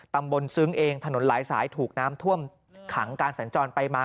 ซึ้งเองถนนหลายสายถูกน้ำท่วมขังการสัญจรไปมา